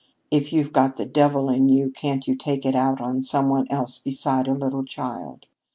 If you've got the devil in you, can't you take it out on some one else beside a little child?